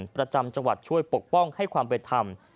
ประจำจังหวัดช่วยปกป้องให้ความเป็นธรรม